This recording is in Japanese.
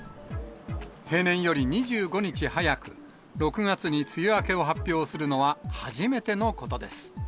平年より２５日早く、６月に梅雨明けを発表するのは初めてのことです。